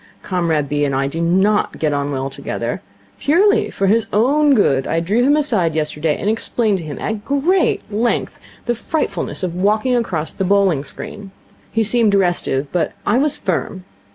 Comrade B. and I do not get on well together. Purely for his own good, I drew him aside yesterday and explained to him at great length the frightfulness of walking across the bowling screen. He seemed restive, but I was firm.